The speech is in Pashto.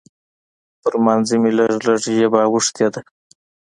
پر لمانځه مې لږ لږ ژبه اوښتې ده.